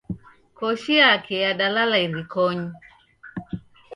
Koshi yake yadalala irikonyi.